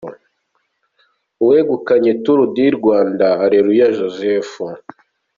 Uwegukanye Turu di Rwanda: Areruya Jozefu